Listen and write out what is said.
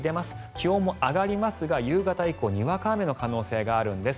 気温も上がりますが、夕方以降にわか雨の可能性があるんです。